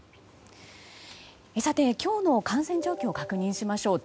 さて、今日の感染状況を確認しましょう。